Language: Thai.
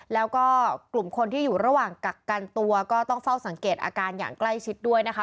แล้วก็กลุ่มคนที่อยู่ระหว่างกักกันตัวก็ต้องเฝ้าสังเกตอาการอย่างใกล้ชิดด้วยนะคะ